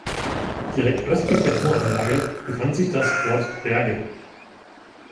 Direkt östlich der Toranlage befand sich das Fort Berge.